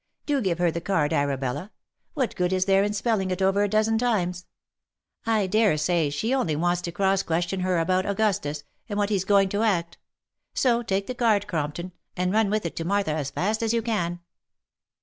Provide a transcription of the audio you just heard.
Do give her the card, Arabella. What good is there in spelling it over a dozen times ? I dare say she only wants to cross question her about Augustus, and what he's going to act. So take the card, Crompton, and run with it to Martha as fast as you can."